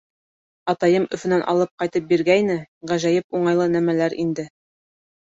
Атайым Өфөнән алып ҡайтып биргәйне, ғәжәйеп уңайлы нәмәләр инде!